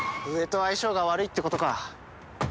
上と相性が悪いってことか。